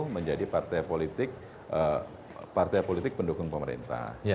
menjadi partai politik pendukung pemerintah